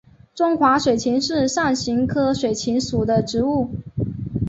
中华水芹是伞形科水芹属的植物。